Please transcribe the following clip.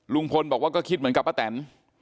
ลุงพลบอกว่าก็คิดเหมือนกับป้าแตน